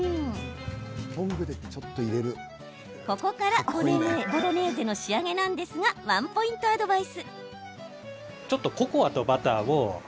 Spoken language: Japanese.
ここからボロネーゼの仕上げなんですがここでワンポイントアドバイス。